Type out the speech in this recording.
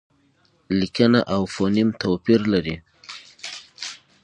لیکنه او فونېم توپیر لري.